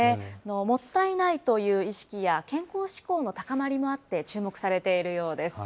もったいないという意識や、健康志向の高まりもあって注目されているようです。